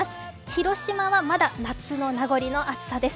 広島はまだ夏の名残の暑さです。